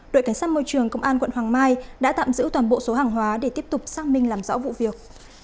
đội cảnh sát môi trường công an quận hoàng mai đã tạm giữ toàn bộ số hàng hóa để tiếp tục xác minh làm rõ vụ việc